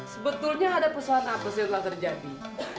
sebetulnya ada persoalan abis yang telah terjadi